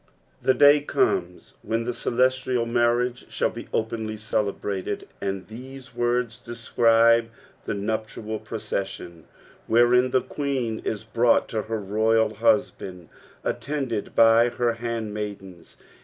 '" The day comes when the celi'stiat maniage shall be opL nlj celebrated, and these words describe the nuptial pioccssion, wherein the quet:n is brought to her ruynl Uiisbaud attended by her handmaidens.